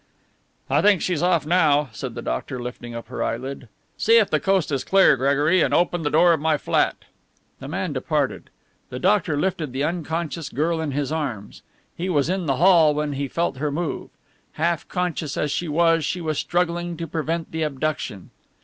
"I think she's off now," said the doctor, lifting up her eyelid, "see if the coast is clear, Gregory, and open the door of my flat." The man departed. The doctor lifted the unconscious girl in his arms. He was in the hall when he felt her move. Half conscious as she was, she was struggling to prevent the abduction.